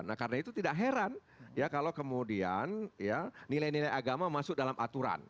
nah karena itu tidak heran ya kalau kemudian nilai nilai agama masuk dalam aturan